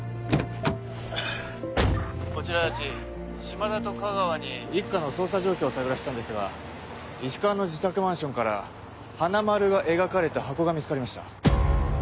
こちら足達島田と香川に一課の捜査状況を探らせたんですが石川の自宅マンションから「はなまる」が描かれた箱が見つかりました。